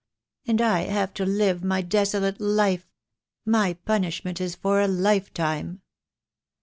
And I have to live my desolate life. My punishment is for a lifetime."